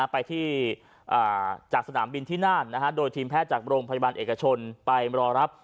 ไปที่จากสนามบินที่น่านโดยทีมแพทย์จากโรงพยาบาลเอกชนไปรอรับ